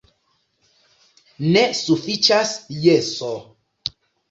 Ne sufiĉas jeso.